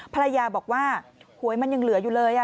ภรรยาบอกว่าหวยมันยังเหลืออยู่เลย